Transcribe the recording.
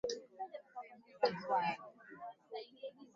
akikabiliwa na mashtaka ya kutengeneza mikataba hewa enzi zake akiwa meya